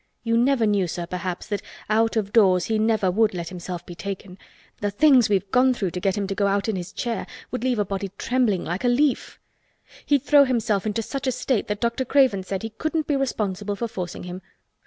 You never knew, sir, perhaps, that out of doors he never would let himself be taken. The things we've gone through to get him to go out in his chair would leave a body trembling like a leaf. He'd throw himself into such a state that Dr. Craven said he couldn't be responsible for forcing him.